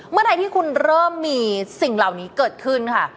เมื่อใดที่คุณเริ่มมีสิ่งเหล่านี้เกิดขึ้นค่ะ